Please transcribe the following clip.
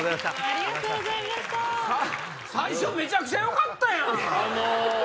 最初めちゃくちゃよかったやん。